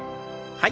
はい。